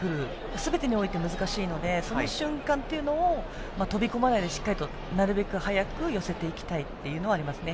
すべてにおいて難しいのでその瞬間というのを飛び込まないでなるべく早く寄せていきたいのはありますね。